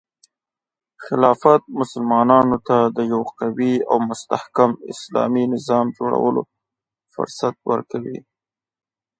خلافت مسلمانانو ته د یو قوي او مستحکم اسلامي نظام جوړولو فرصت ورکوي.